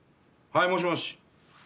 はいもしもし。